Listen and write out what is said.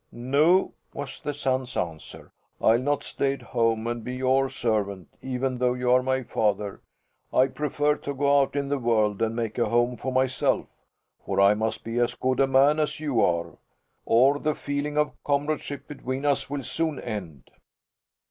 "No," was the son's answer. "I'll not stay at home and be your servant even though you are my father. I prefer to go out in the world and make a home for myself, for I must be as good a man as you are, or the feeling of comradeship between us will soon end."